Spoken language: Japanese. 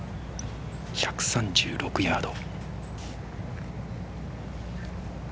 １３６ヤード。